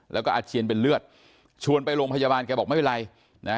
แล้วก็อาเจียนเป็นเลือดชวนไปโรงพยาบาลแกบอกไม่เป็นไรนะ